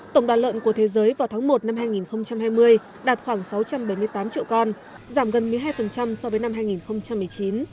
tổng đoàn lợn của thế giới vào tháng một năm hai nghìn hai mươi đạt khoảng sáu trăm bảy mươi tám triệu con giảm gần một mươi hai so với năm hai nghìn một mươi chín